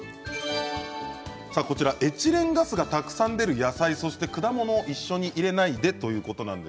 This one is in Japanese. エチレンガスがたくさん出る野菜、果物を一緒に入れないでということです。